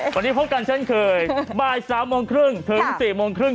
วันนี้พบกันเช่นเคยบ่าย๓โมงครึ่งถึง๔โมงครึ่ง